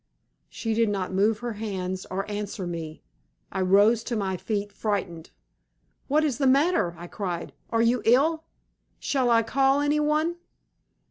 She did not move her hands or answer me. I rose to my feet, frightened. "What is the matter?" I cried. "Are you ill? Shall I call any one?"